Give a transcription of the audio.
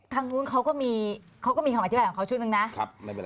ทางนู้นเขาก็มีเขาก็มีคำอธิบายของเขาชุดหนึ่งนะ